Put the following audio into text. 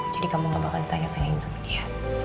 jadi kamu gak akan ditanya tanyain sama dia